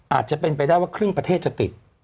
อาจจะเป็นไปได้ว่าครึ่งประเทศจะติด